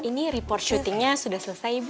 ini report syutingnya sudah selesai bu